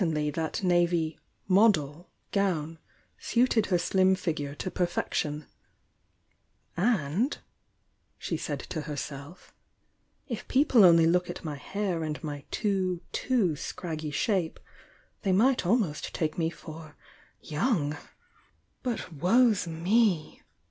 Certainly that navy "model" gown suited her slim figure to perfection — "And," she said to herself, "if people only looked at ray hair and my too, too scraggy shape, they might abnost take me for 'young!' But woe's me!"